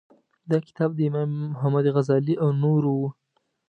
دا کتاب د امام محمد غزالي او نورو و.